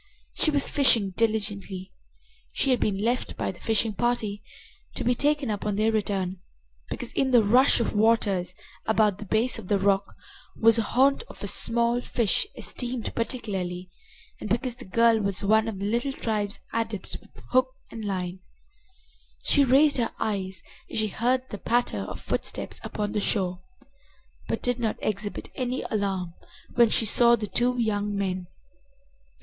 She was fishing diligently. She had been left by the fishing party, to be taken up on their return, because, in the rush of waters about the base of the rock, was a haunt of a small fish esteemed particularly, and because the girl was one of the little tribe's adepts with hook and line She raised her eyes as she heard the patter of footsteps upon the shore, but did not exhibit any alarm when she saw the two young men.